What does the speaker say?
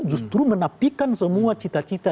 justru menapikan semua cita cita